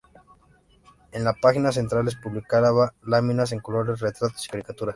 En las páginas centrales publicaba láminas en colores, retratos y caricaturas.